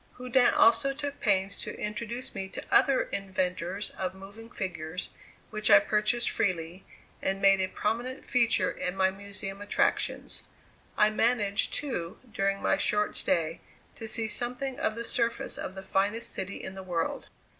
Houdin also took pains to introduce me to other inventors of moving figures which I purchased freely, and made a prominent feature in my Museum attractions. I managed, too, during my short stay, to see something of the surface of the finest city in the world.